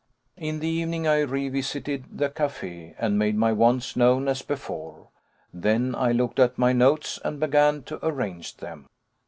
In the evening I revisited the café and made my wants known as before. Then I looked at my notes, and began to arrange them.